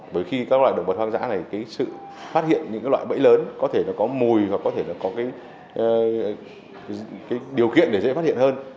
bởi khi các loài động vật hoang dã này sự phát hiện những loại bẫy lớn có thể có mùi có thể có điều kiện để dễ phát hiện hơn